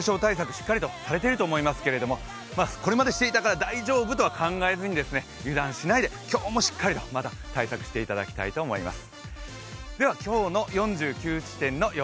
しっかりとしているとは思いますがこれまでしていたから大丈夫とは考えず、油断しないで今日もしっかりと対策していただきたいと思います。